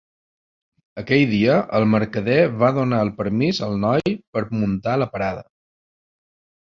Aquell dia, el mercader va donar el permís al noi per muntar la parada.